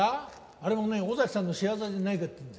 あれもね尾崎さんの仕業じゃないかって言うんですよ。